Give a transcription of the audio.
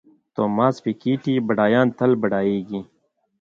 توماس پیکیټي بډایان تل بډایېږي.